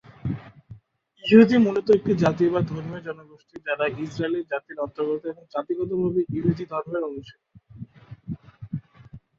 ইহুদি মূলত একটি জাতি বা ধর্মীয় জনগোষ্ঠী যারা ইস্রায়েল জাতির অন্তর্গত এবং জাতিগতভাবে ইহুদি ধর্মের অনুসারী।